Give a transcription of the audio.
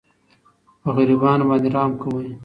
په غریبانو باندې رحم کوئ.